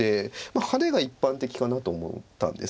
ハネが一般的かなと思ったんです。